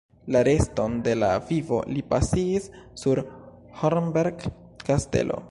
La reston de la vivo li pasigis sur Hornberg-kastelo.